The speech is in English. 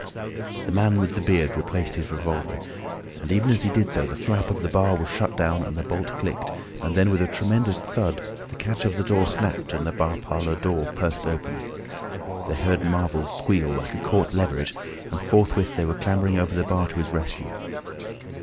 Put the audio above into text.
The man with the beard replaced his revolver. And even as he did so the flap of the bar was shut down and the bolt clicked, and then with a tremendous thud the catch of the door snapped and the bar parlour door burst open. They heard Marvel squeal like a caught leveret, and forthwith they were clambering over the bar to his rescue.